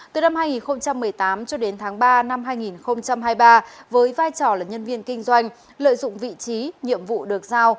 từ năm hai nghìn một mươi tám cho đến tháng ba năm hai nghìn hai mươi ba với vai trò là nhân viên kinh doanh lợi dụng vị trí nhiệm vụ được giao